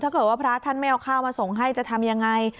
ถ้าเกิดว่าพระท่านไม่เอาข้าวมาส่งให้จะทำยังไง